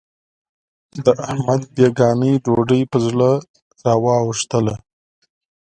د احمد بېګانۍ ډوډۍ په زړه را وا وښتله.